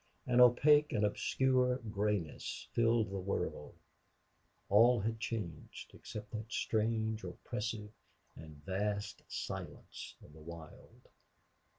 An opaque and obscure grayness filled the world; all had changed, except that strange, oppressive, and vast silence of the wild.